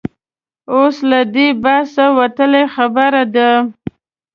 اوس له دې بحثه وتلې خبره ده.